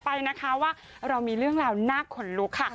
ไปนะคะว่าเรามีเรื่องราวน่าขนลุกค่ะ